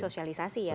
sosialisasi ya bang